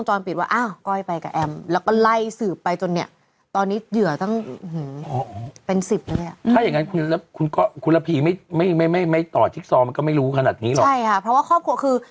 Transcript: ใช่ค่ะเพราะว่าครอบครัวคือ